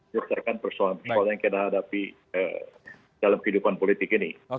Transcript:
menyelesaikan persoalan persoalan yang kita hadapi dalam kehidupan politik ini